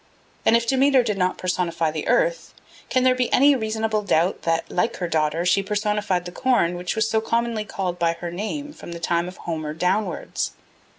And if Demeter did not personify the earth, can there be any reasonable doubt that, like her daughter, she personified the corn which was so commonly called by her name from the time of Homer downwards?